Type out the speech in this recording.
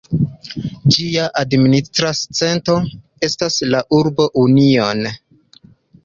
Ĝia administra centro estas la urbo Union.